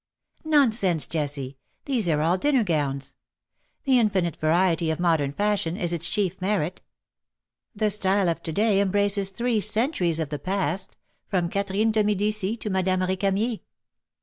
'^Nonsense, Jessie. These are all dinner gowns. The infinite variety of modern fashion is its chief merit. The style of to day embraces three centuries of the past, from Catherine de Medicis to Madame Recamier.